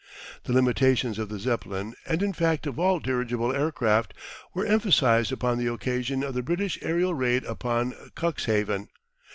The limitations of the Zeppelin, and in fact of all dirigible aircraft, were emphasised upon the occasion of the British aerial raid upon Cuxhaven.